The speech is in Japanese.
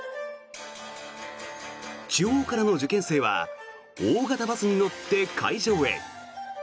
地方からの受験生は大型バスに乗って会場へ。